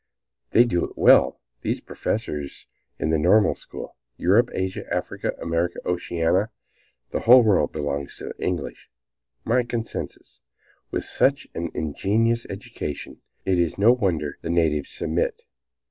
They do it well, these professors in the Normal School! Europe, Asia, Africa, America, Oceanica, the whole world belongs to the English. My conscience! with such an ingenious education it is no wonder the natives submit.